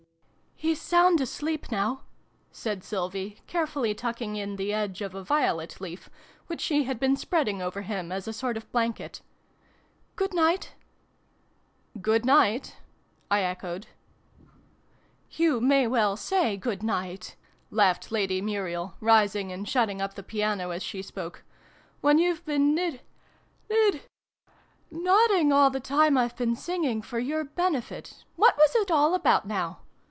He's sound asleep now," said Sylvie, care fully tucking in the edge of a violet leaf, which she had been spreading over him as a sort of blanket: "good night!" " Good night !" I echoed. " You may well say ' good night '!" laughed Lady Muriel, rising and shutting up the piano as she spoke. When you've been nid nid nodding all the time I've been singing for your benefit ! What was it all about, now